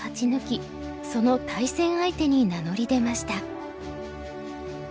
その対戦相手に名乗り出ました。